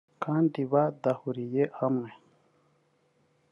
kandi badahuriye hamwe